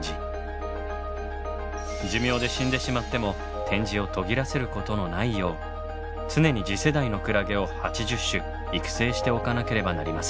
寿命で死んでしまっても展示を途切らせることのないよう常に次世代のクラゲを８０種育成しておかなければなりません。